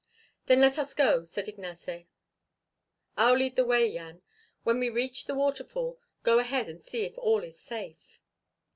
"Then let us go," said Ignace. "I'll lead the way, Jan. When we reach the waterfall, go ahead and see if all is safe."